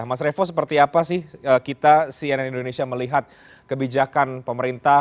mas revo seperti apa sih kita cnn indonesia melihat kebijakan pemerintah